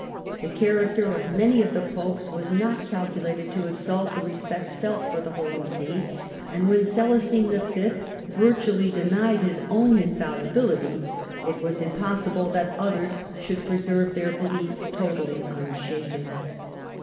The character of many of the Popes was not cal culated to exalt the respect felt for the Holy See, and when Celestine V. virtually denied his own infallibility, it was impossible that others should preserve their belief totally unshaken.